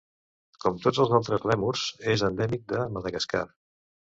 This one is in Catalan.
Com tots els altres lèmurs, és endèmic de Madagascar.